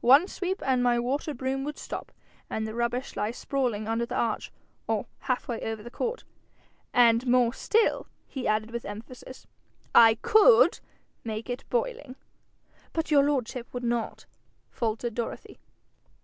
One sweep, and my water broom would stop, and the rubbish lie sprawling under the arch, or half way over the court. And more still,' he added with emphasis: 'I COULD make it boiling!' 'But your lordship would not?' faltered Dorothy.